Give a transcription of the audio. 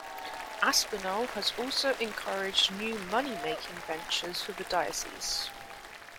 Aspinall has also encouraged new money-making ventures for the diocese.